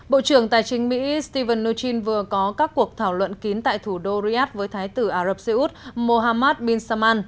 bộ trưởng tài chính mỹ stephen mnuchin vừa có các cuộc thảo luận kín tại thủ đô riyadh với thái tử ả rập xê út mohammad bin saman